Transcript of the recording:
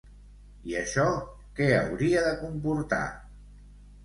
I això que hauria de comportar?